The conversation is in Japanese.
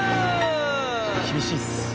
厳しいっす。